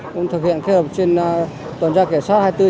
cũng thực hiện kết hợp trên tuần tra cảnh sát hai mươi bốn trên hai mươi bốn